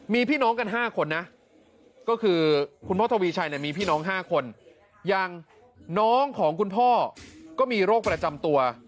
มีพี่น้องกัน๕คนนะก็คือคุณพ่อทวีชัยมีพี่น้อง๕คนอย่างน้องของคุณพ่อก็มีโรคประจำตัว